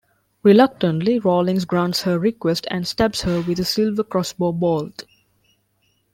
Reluctantly, Rawlins grants her request and stabs her with a silver crossbow bolt.